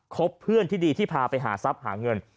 บเพื่อนที่ดีที่พาไปหาทรัพย์หาเงิน